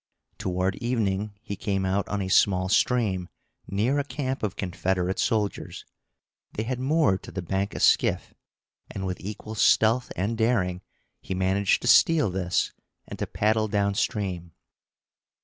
Toward evening he came out on a small stream, near a camp of Confederate soldiers. They had moored to the bank a skiff, and, with equal stealth and daring, he managed to steal this and to paddle down stream.